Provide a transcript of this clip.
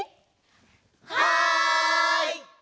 はい！